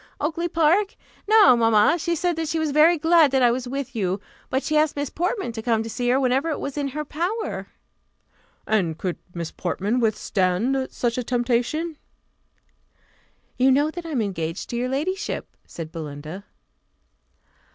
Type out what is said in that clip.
"Oakly park? No, mamma; she said that she was very glad that I was with you; but she asked Miss Portman to come to see her whenever it was in her power." "And could Miss Portman withstand such a temptation?" "You know that I am engaged to your ladyship," said Belinda.